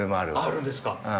あるんですか？